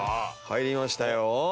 入りましたよ。